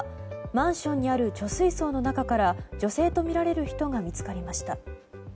マンションにある貯水槽の中から女性とみられる人が見つかりました。